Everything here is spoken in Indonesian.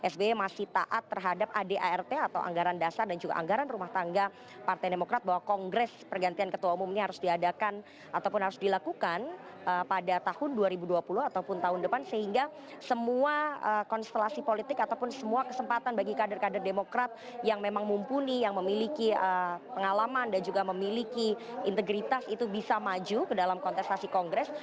sby masih taat terhadap adart atau anggaran dasar dan juga anggaran rumah tangga partai demokrat bahwa kongres pergantian ketua umum ini harus diadakan ataupun harus dilakukan pada tahun dua ribu dua puluh ataupun tahun depan sehingga semua konstelasi politik ataupun semua kesempatan bagi kader kader demokrat yang memang mumpuni yang memiliki pengalaman dan juga memiliki integritas itu bisa maju ke dalam kontestasi kongres